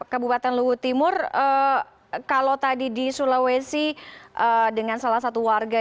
kabupaten luhut timur kalau tadi di sulawesi dengan salah satu warga